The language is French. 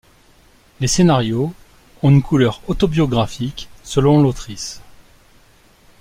Les scénarios ont une couleur autobiographique selon l'autrice.